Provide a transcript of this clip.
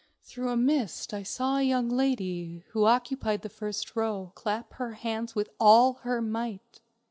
Through a mist, I saw a young lady, who occupied the first row, clap her hands with all her might.